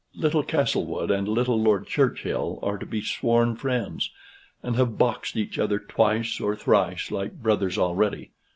Little Castlewood and little Lord Churchill are to be sworn friends, and have boxed each other twice or thrice like brothers already.